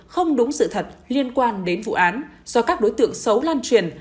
không đúng sự thật liên quan đến vụ án do các đối tượng xấu lan truyền